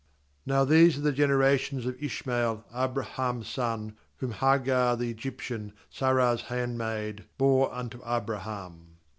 ^Now these are the generations of Ishmael, Abraham's son, whom Hagar the Egyptian, Sarah's handmaid, bore unto Abraham.